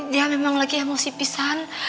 dia memang lagi emosi pisan